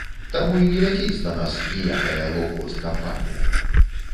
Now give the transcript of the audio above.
Таму і не ляціць да нас ніякая лоўкост-кампанія.